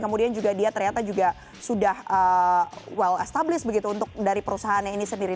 kemudian juga dia ternyata juga sudah well established begitu untuk dari perusahaannya ini sendiri